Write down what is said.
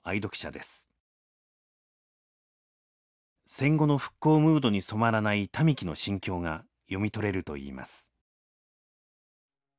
戦後の復興ムードに染まらない民喜の心境が読み取れるといいます。